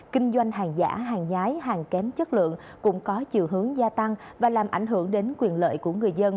kinh doanh hàng giả hàng nhái hàng kém chất lượng cũng có chiều hướng gia tăng và làm ảnh hưởng đến quyền lợi của người dân